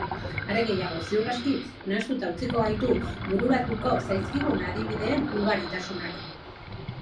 Are gehiago, ziur aski nahastuta utziko gaitu bururatuko zaizkigun adibideen ugaritasunak.